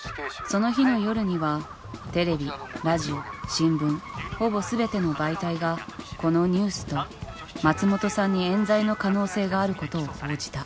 その日の夜にはテレビラジオ新聞ほぼ全ての媒体がこのニュースと松本さんにえん罪の可能性があることを報じた。